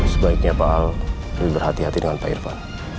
sebaiknya pak al lebih berhati hati dengan pak irfan